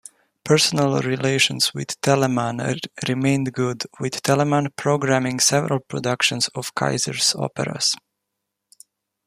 Personal relations with Telemann remained good, with Telemann programming several productions of Keiser's operas.